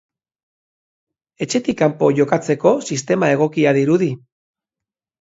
Etxetik kanpo jokatzeko sistema egokia dirudi.